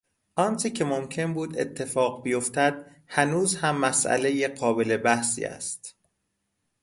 آنچه که ممکن بود اتفاق بیافتد هنوز هم مسئلهی قابل بحثی است.